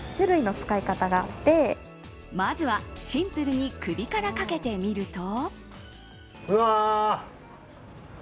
まずはシンプルに首からかけてみると。